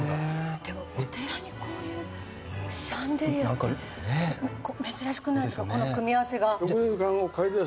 お寺にこういうシャンデリアって珍しくないですか組み合わせが。